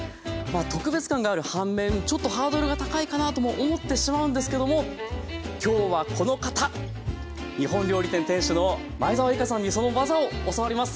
特別感がある反面ちょっとハードルが高いかなとも思ってしまうんですけども今日はこの方日本料理店店主の前沢リカさんにその技を教わります。